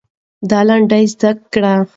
دا لنډۍ زده کړه.